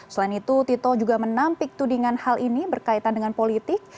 selain itu tito juga menampik tudingan hal ini berkaitan dengan politik